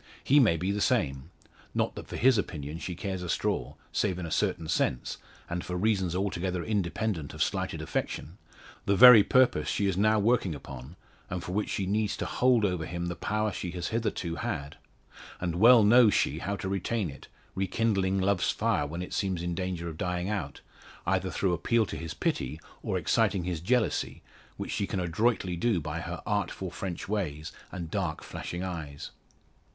He may be the same. Not that for his opinion she cares a straw save in a certain sense, and for reasons altogether independent of slighted affection the very purpose she is now working upon, and for which she needs to hold over him the power she has hitherto had. And well knows she how to retain it, rekindling love's fire when it seems in danger of dying out, either through appeal to his pity, or exciting his jealousy, which she can adroitly do, by her artful French ways and dark flashing eyes.